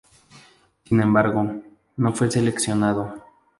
Sin embargo, no fue seleccionado.